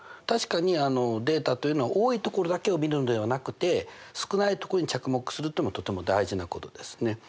確かにデータというのは多いところだけを見るのではなくて少ないところに着目するっていうのとても大事なことですね。